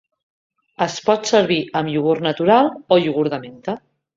Es pot servir amb iogurt natural o iogurt de menta.